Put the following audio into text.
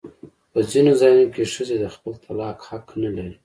په ځینو ځایونو کې ښځې د خپل طلاق حق نه لري.